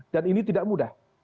dan ini tidak mudah